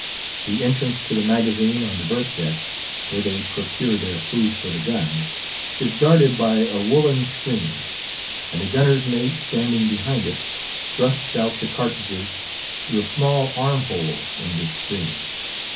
The entrance to the magazine on the berth deck, where they procure their food for the guns, is guarded by a woollen screen; and a gunner's mate, standing behind it, thrusts out the cartridges through a small arm hole in this screen.